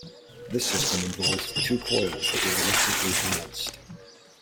This system involved two coils that were electrically balanced.